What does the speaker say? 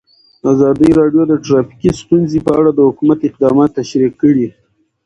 ازادي راډیو د ټرافیکي ستونزې په اړه د حکومت اقدامات تشریح کړي.